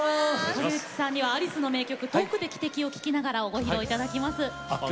堀内さんには、アリスの名曲「遠くで汽笛を聞きながら」を歌っていただきます。